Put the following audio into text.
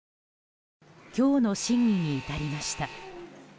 今日の審議に至りました。